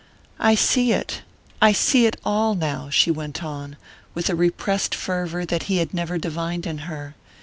"I see it I see it all now," she went on, with a repressed fervour that he had never divined in her.